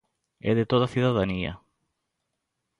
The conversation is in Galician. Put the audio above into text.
É de toda a cidadanía.